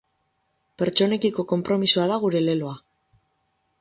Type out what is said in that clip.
Pertsonekiko konpromisoa da gure leloa.